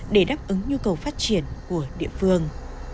để đáp ứng nhu cầu phát triển của địa phương